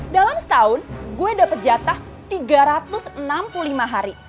dalam setahun gue dapat jatah tiga ratus enam puluh lima hari